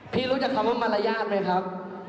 รู้จักคำว่ามารยาทไหมครับ